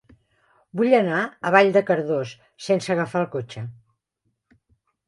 Vull anar a Vall de Cardós sense agafar el cotxe.